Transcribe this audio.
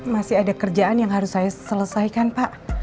masih ada kerjaan yang harus saya selesaikan pak